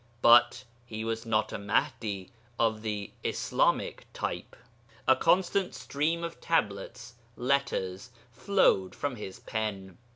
But he was not a Mahdi of the Islamic type. A constant stream of Tablets (letters) flowed from his pen.